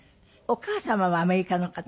お母様はアメリカの方？